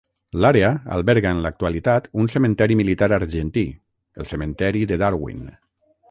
L'àrea alberga en l'actualitat un cementeri militar argentí, el cementeri de Darwin.